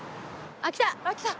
あっ来た！